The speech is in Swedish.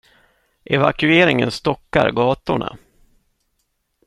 Evakueringen stockar gatorna.